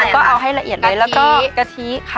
ก็เอาให้ละเอียดไว้แล้วก็กะทิค่ะ